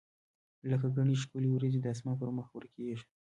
لکه ګڼي ښکلي وریځي د اسمان پر مخ ورکیږي